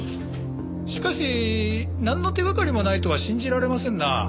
しかしなんの手掛かりもないとは信じられませんな。